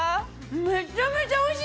めちゃめちゃおいしい！